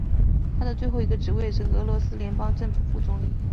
他的最后一个职位是俄罗斯联邦政府副总理。